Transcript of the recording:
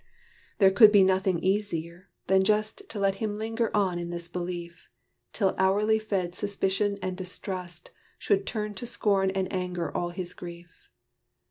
There could be nothing easier, than just To let him linger on in this belief Till hourly fed Suspicion and Distrust Should turn to scorn and anger all his grief.